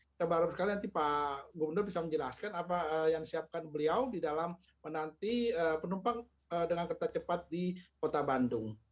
kita berharap sekali nanti pak gubernur bisa menjelaskan apa yang disiapkan beliau di dalam menanti penumpang dengan kereta cepat di kota bandung